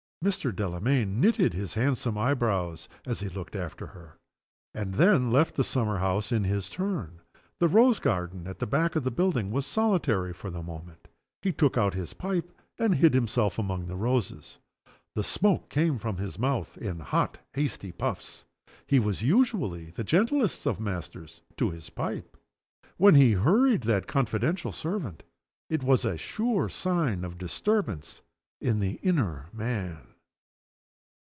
Mr. Delamayn knitted his handsome eyebrows as he looked after her, and then left the summer house in his turn. The rose garden at the back of the building was solitary for the moment. He took out his pipe and hid himself among the roses. The smoke came from his mouth in hot and hasty puffs. He was usually the gentlest of masters to his pipe. When he hurried that confidential servant, it was a sure sign of disturbance in the inner man.